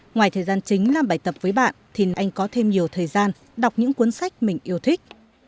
ngoài thời gian chính làm bài tập với bạn thì anh có thêm nhiều thời gian đọc những cuốn sách mình yêu thích